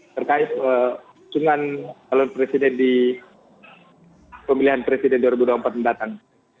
terkait dengan calon presiden di pemilihan presiden dua ribu dua puluh empat mendatang